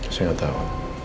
saya nggak tahu